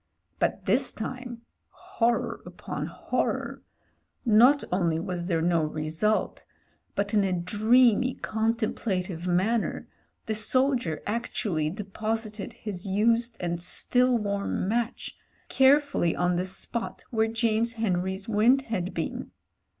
But this time — ^horror upon horror — not only was there no result, but in a dreamy, contem plative manner the soldier actually deposited his used and still warm match carefully on the spot where James Henry's wind had been.